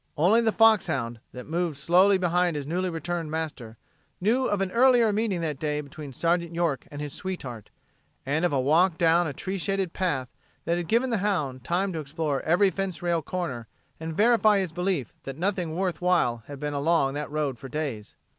Only the foxhound, that moved slowly behind his newly returned master, knew of an earlier meeting that day between Sergeant York and his sweetheart, and of a walk down a tree shaded path that had given the hound time to explore every fence rail corner and verify his belief that nothing worth while had been along that road for days.